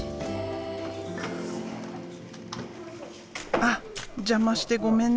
あっ邪魔してごめんね。